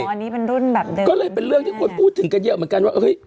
อันนี้เป็นรุ่นแบบเดิมก็เลยเป็นเรื่องที่ควรพูดถึงกันเยอะเหมือนกันว่าเฮ้ย